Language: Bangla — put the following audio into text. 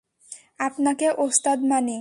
আপনাকে ওস্তাদ মানি।